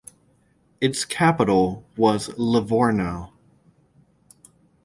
Its capital was Livorno.